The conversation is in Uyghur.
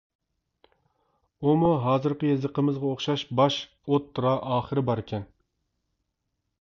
ئۇمۇ ھازىرقى يېزىقىمىزغا ئوخشاش باش، ئوتتۇرا، ئاخىرى باركەن.